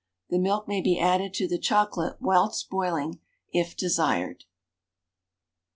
The milk may be added to the chocolate whilst boiling, if desired.